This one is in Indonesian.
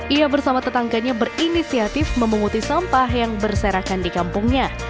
ia bersama tetangganya berinisiatif memunguti sampah yang berserakan di kampungnya